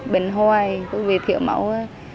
bệnh hoài có việc thiếu máu ấy